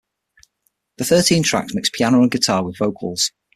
The thirteen tracks mix piano and guitar with vocals.